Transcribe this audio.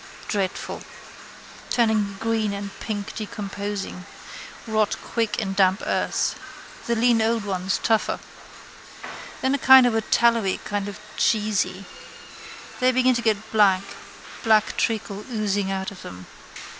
Dreadful. Turning green and pink decomposing. Rot quick in damp earth. The lean old ones tougher. Then a kind of a tallowy kind of a cheesy. Then begin to get black, black treacle oozing out of them.